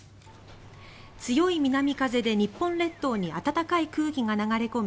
強い南風で日本列島に暖かい空気が流れ込み